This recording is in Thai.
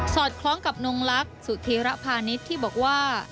อดคล้องกับนงลักษณ์สุธีระพาณิชย์ที่บอกว่า